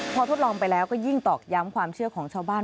พอทดลองไปแล้วก็ยิ่งตอกย้ำความเชื่อของชาวบ้าน